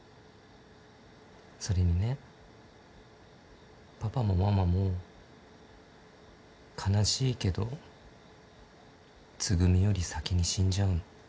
それにねパパもママも悲しいけどつぐみより先に死んじゃうの。